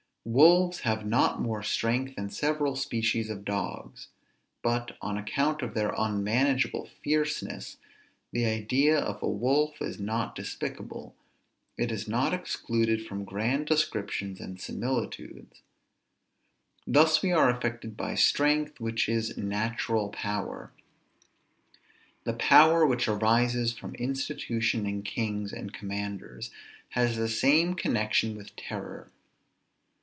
Wolves have not more strength than several species of dogs; but, on account of their unmanageable fierceness, the idea of a wolf is not despicable; it is not excluded from grand descriptions and similitudes. Thus we are affected by strength, which is natural power. The power which arises from institution in kings and commanders, has the same connection with terror.